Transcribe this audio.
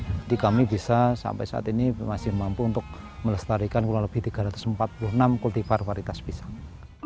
jadi kami bisa sampai saat ini masih mampu untuk melestarikan kurang lebih tiga ratus empat puluh enam kultifar varitas pisang